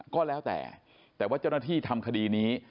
ก็แล้วแต่แต่ว่าเจ้าหน้าที่ทำคดีนี้